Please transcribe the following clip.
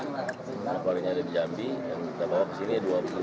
kepolisian dari jambi yang kita bawa ke sini dua puluh dua